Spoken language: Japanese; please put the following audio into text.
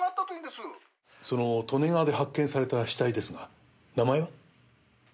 その利根川で発見された死体ですが名前は？